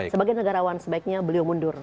sebagai negarawan sebaiknya beliau mundur